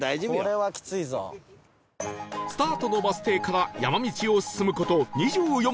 スタートのバス停から山道を進む事 ２４．５ キロ